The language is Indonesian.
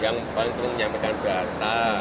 yang paling penting menyampaikan data